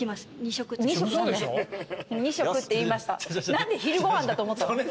何で昼ご飯だと思ったの？